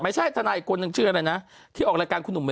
ไม่ใช่ทนายอีกคนนึงเชื่ออะไรนะที่ออกรายการคุณหนุ่มบ่อยอ่ะ